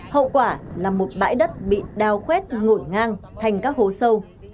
hậu quả là một bãi đất bị đào khuét ngổn ngang thành các hố sâu